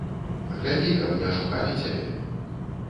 Глядзі, каб не ашукалі цябе.